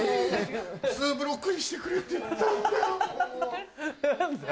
ツーブロックにしてくれって言ったんだよ